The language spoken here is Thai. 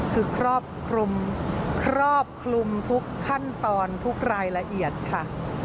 คือครอบคลุมครอบคลุมทุกขั้นตอนทุกรายละเอียดค่ะ